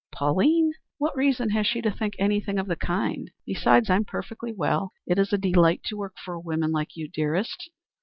"Pauline? What reason has she to think anything of the kind? Besides, I am perfectly well. It is a delight to work for a woman like you, dearest."